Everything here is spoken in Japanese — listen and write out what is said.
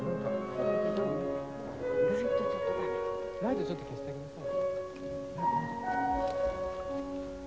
ライトちょっと消して下さい。